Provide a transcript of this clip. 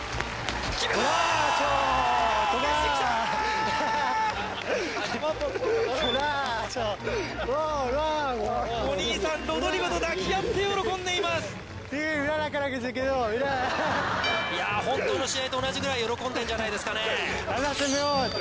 浮かしてきたお兄さんロドリゴと抱き合って喜んでいますいやホントの試合と同じぐらい喜んでんじゃないですかね